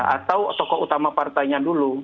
atau tokoh utama partainya